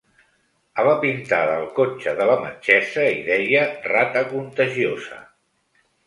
A la pintada al cotxe de la metgessa hi deia rata contagiosa.